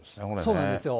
そうなんですよ。